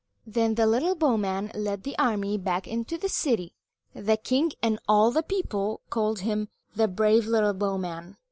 Then the little bowman led the army back into the city. The king and all the people called him "the brave little bowman."